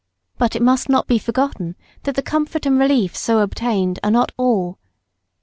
But it must not be forgotten that the comfort and relief so obtained are not all.